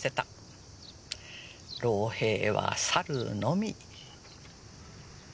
老兵は去るのみ。